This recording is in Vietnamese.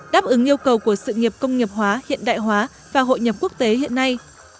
đáp ứng yêu cầu của sự nghiệp công nghiệp hóa hiện đại hóa và hội nhập quốc tế hiện nay